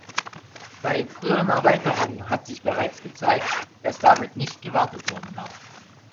Bei früheren Erweiterungen hat sich bereits gezeigt, dass damit nicht gewartet werden darf.